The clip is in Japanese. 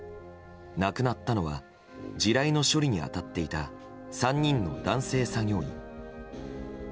亡くなったのは地雷の処理に当たっていた３人の男性作業員。